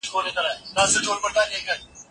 د مطالعې لپاره باید ارامه فضا برابره سي.